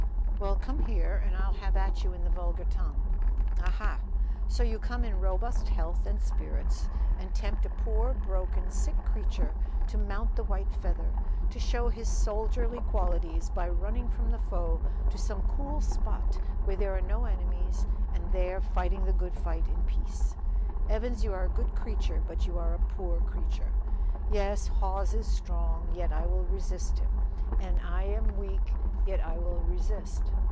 "Well, come here and I'll have at you in the vulgar tongue. Aha! So you come in robust health and spirits and tempt a poor, broken, sick creature to mount the white feather; to show his soldierly qualities by running from the foe to some cool spot where there are no enemies, and there fighting the good fight in peace. Evans, you are a good creature, but you are a poor creature. Yes, Hawes is strong, yet I will resist him. And I am weak yet I will resist.